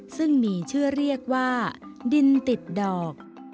ซึ่งมีชื่อเรียกว่าดินติดดอก